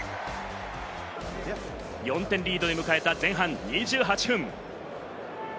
４点リードで迎えた前半２８分。